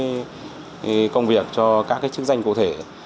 cái công việc cho các cái chức danh cụ thể